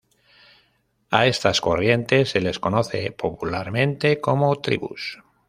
A estas corrientes se les conoce popularmente como "tribus".